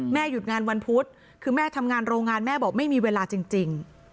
หยุดงานวันพุธคือแม่ทำงานโรงงานแม่บอกไม่มีเวลาจริง